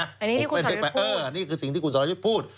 อันนี้คุณสมยุทธ์พูดอันนี้คือสิ่งที่คุณสมยุทธ์พูด